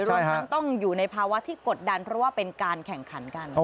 รวมทั้งต้องอยู่ในภาวะที่กดดันเพราะว่าเป็นการแข่งขันกัน